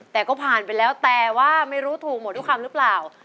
แต่ก็ผ่านไปแล้วแต่ว่าไม่รู้ถูกหมดทุกคำหรือเปล่า